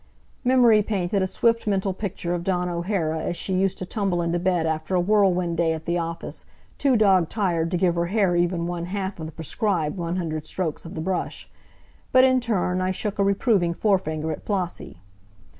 Memory painted a swift mental picture of Dawn O'Hara as she used to tumble into bed after a whirlwind day at the office, too dog tired to give her hair even one half of the prescribed one hundred strokes of the brush. But in turn I shook a reproving forefinger at Flossie.